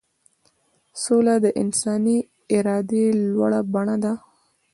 سوله د انساني ارادې لوړه بڼه ده.